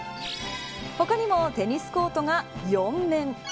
他にもテニスコートが４面。